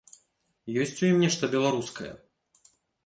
Ёсць у ім нешта беларускае?